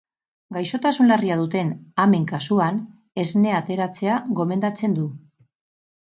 Gaixotasun larria duten amen kasuan, esnea ateratzea gomendatzen du.